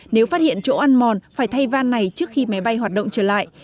nếu phát hiện chỗ ăn mòn phải thay van này trước khi máy bay hoạt động trở lại